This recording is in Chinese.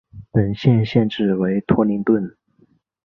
本县县治为托灵顿。